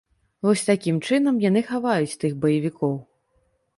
Вось такім чынам яны хаваюць тых баевікоў.